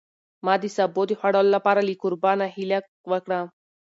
ما د سابو د خوړلو لپاره له کوربه نه هیله وکړه.